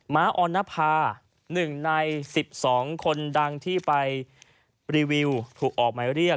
้าออนภา๑ใน๑๒คนดังที่ไปรีวิวถูกออกหมายเรียก